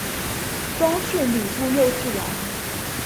终仕礼部右侍郎。